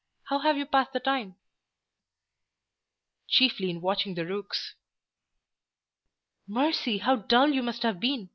How have you passed the time?" "Chiefly in watching the rooks." "Mercy, how dull you must have been!